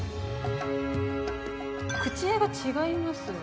口絵が違いますよね。